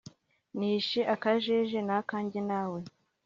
Nishe akajeje nakanjye nawe